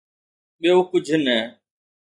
ٻيو ڪجھ نه.